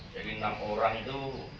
jadi enam orang itu